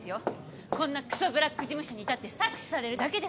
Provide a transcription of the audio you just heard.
こんなクソブラック事務所にいたって搾取されるだけですから！